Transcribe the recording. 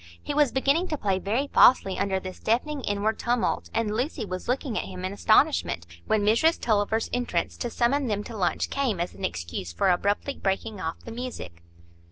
He was beginning to play very falsely under this deafening inward tumult, and Lucy was looking at him in astonishment, when Mrs Tulliver's entrance to summon them to lunch came as an excuse for abruptly breaking off the music.